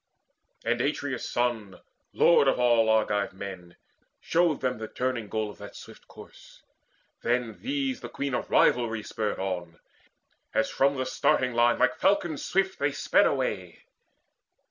And Atreus' son, lord of all Argive men, Showed them the turning goal of that swift course. Then these the Queen of Rivalry spurred on, As from the starting line like falcons swift They sped away.